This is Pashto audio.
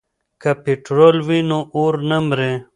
که پټرول وي نو اور نه مري.